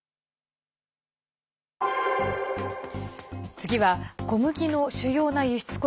次は小麦の主要な輸出国